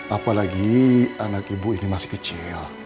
apalagi anak ibu ini masih kecil